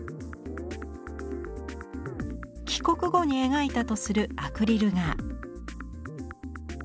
帰国後に描いたとするアクリル画。